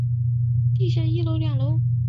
地下一楼二楼